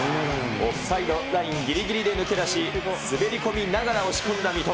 オフサイドラインぎりぎりで抜け出し、滑り込みながら押し込んだ三笘。